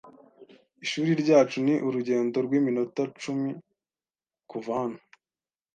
Ishuri ryacu ni urugendo rw'iminota icumi kuva hano.